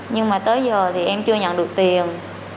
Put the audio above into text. nhưng mà tới giờ thì em chưa nhận được tiền